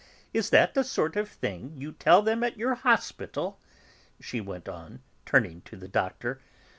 Is that the sort of thing you tell them at your hospital?" she went on, turning to the Doctor.